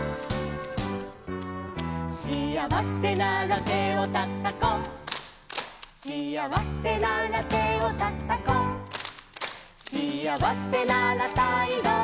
「しあわせなら手をたたこう」「」「しあわせなら手をたたこう」「」「しあわせなら態度でしめそうよ」